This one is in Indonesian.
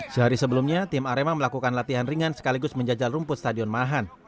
sehari sebelumnya tim arema melakukan latihan ringan sekaligus menjajal rumput stadion mahan